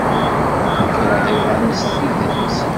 Tekṛeh iḍan s tidet.